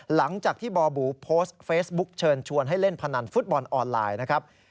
หลังจากที่บอบูโพสต์เฟซบุ๊กเชิญชวนให้เล่นพนันฟุตบอลออนไลน์นะครับ